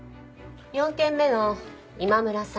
４件目の今村さん